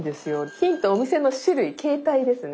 ヒントお店の種類形態ですね。